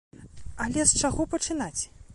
Але з чаго пачынаць?